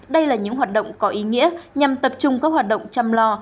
đây là những hoạt động có ý nghĩa nhằm tập trung các hoạt động chăm lo